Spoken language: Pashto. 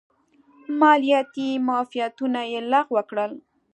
مالیاتي معافیتونه یې لغوه کړل.